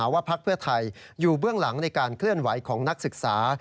พักเพื่อไทยอยู่เบื้องหลังในการเคลื่อนไหวของนักศึกษา